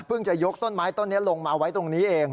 จะยกต้นไม้ต้นนี้ลงมาไว้ตรงนี้เอง